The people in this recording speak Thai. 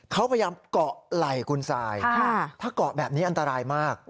เขาพยายามเกาะไหล่คุณทรายถ้าเกาะแบบนี้อันตรายมาก